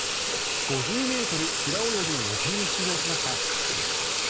５０ｍ平泳ぎの予選に出場しました。